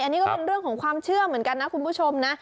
อันนี้ก็เป็นเรื่องของความเชื่อเหมือนกันนะคุณผู้ชมนะ